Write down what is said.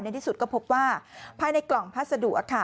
ที่สุดก็พบว่าภายในกล่องพัสดุค่ะ